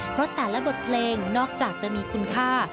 เพราะแต่ละบทเพลงนอกจากจะมีคุณค่า